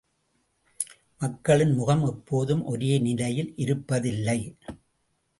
மக்களின் முகம் எப்போதும் ஒரே நிலையில் இருப்பதில்லை.